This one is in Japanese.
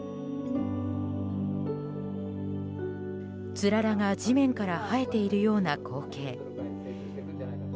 つららが地面から生えているような光景。